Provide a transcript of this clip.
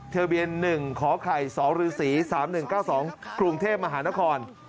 ทะเบียน๑ขอไข่๒ฤษ๓๑๙๒กรุงเทพมหานคร